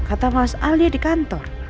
kata mas al dia di kantor